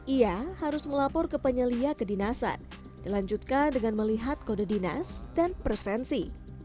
ia harus melapor ke penyelia kedinasan dilanjutkan dengan melihat kode dinas dan presensi